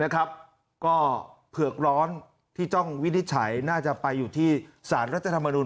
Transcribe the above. ก็เผือกร้อนที่ต้องวินิจฉัยน่าจะไปอยู่ที่สารรัฐธรรมนุน